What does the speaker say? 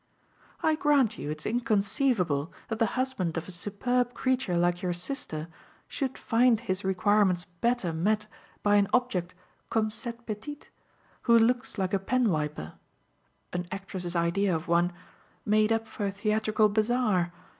I grant you it's inconceivable that the husband of a superb creature like your sister should find his requirements better met by an object comme cette petite, who looks like a pen wiper an actress's idea of one made up for a theatrical bazaar.